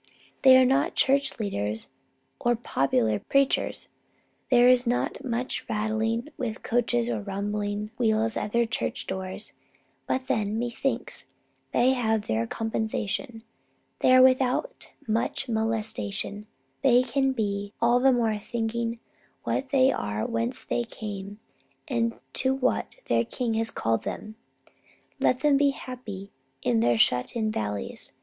They are not church leaders or popular preachers. There is not much rattling with coaches or rumbling with wheels at their church door. But, then, methinks, they have their compensation. They are without much molestation. They can be all the more thinking what they are, whence they came, and to what their King has called them. Let them be happy in their shut in valleys.